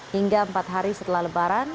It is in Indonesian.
hingga empat hari setelah lebaran